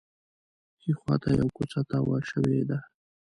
ښي خوا ته یوه کوڅه تاوه شوې ده.